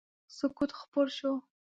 سکوت خپور شو.